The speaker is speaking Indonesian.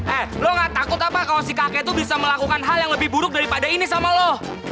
eh lo gak takut apa kalau si kakek tuh bisa melakukan hal yang lebih buruk daripada ini sama lo